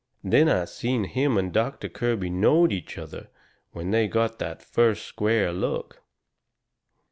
Then I seen him and Doctor Kirby knowed each other when they got that first square look.